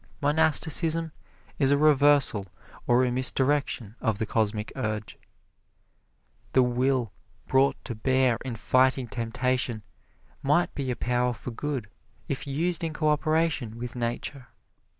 Monasticism is a reversal or a misdirection of the Cosmic Urge. The will brought to bear in fighting temptation might be a power for good, if used in co operation with Nature.